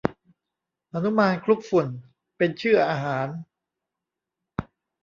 หนุมานคลุกฝุ่น เป็นชื่ออาหาร